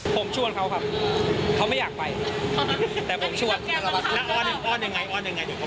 ผมช่วนเขาครับเขาไม่อยากไปแต่ผมช่วย